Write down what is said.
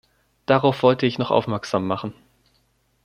Darauf wollte ich noch aufmerksam machen.